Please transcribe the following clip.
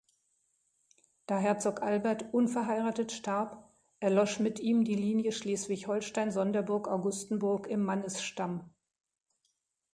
Da Herzog Albert unverheiratet starb, erlosch mit ihm die Linie Schleswig-Holstein-Sonderburg-Augustenburg im Mannesstamm.